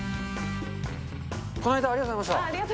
この間はありがとうございました。